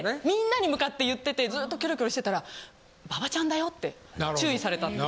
みんなに向かって言っててずっとキョロキョロしてたら馬場ちゃんだよって注意された。